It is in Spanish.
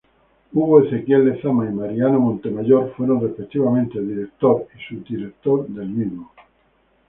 Hugo Ezequiel Lezama y Mariano Montemayor fueron, respectivamente, director y subdirector del mismo.